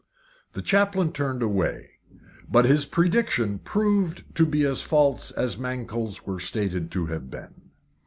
The chaplain turned away. But his prediction proved to be as false as Mankell's were stated to have been.